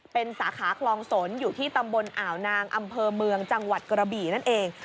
เป็นสาขาคลองสนอยู่ที่ตำบลอ่าวนางอำเภอเมืองจังหวัดกระบี่นั่นเอง